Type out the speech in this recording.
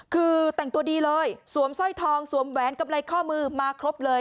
คือแต่งตัวดีเลยสวมสร้อยทองสวมแหวนกำไรข้อมือมาครบเลย